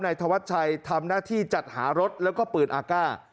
ธวัชชัยทำหน้าที่จัดหารถแล้วก็ปืนอากาศ